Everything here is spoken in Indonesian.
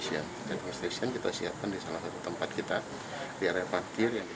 yang kedua station kita siapkan di salah satu tempat kita di area parkir